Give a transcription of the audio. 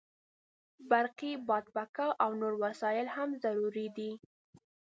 برقي بادپکه او نور وسایل هم ضروري دي.